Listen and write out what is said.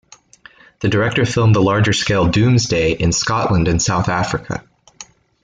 The director filmed the larger-scale "Doomsday" in Scotland and South Africa.